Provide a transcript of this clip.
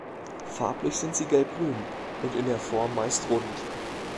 Farblich sind sie gelbgrün und in der Form meist rund.